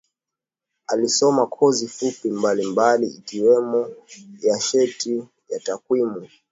Alisoma kozi fupi mbali mbali ikiwemo ya sheti ya takwimu